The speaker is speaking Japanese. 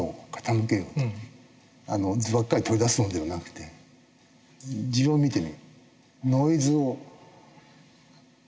図ばっかり取り出すのではなくて地を見てみよう。